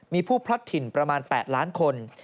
มีผู้พลัดถิ่นประมาณ๘ล้านคน